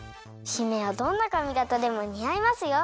姫はどんなかみがたでもにあいますよ。